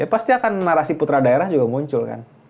ya pasti akan narasi putra daerah juga muncul kan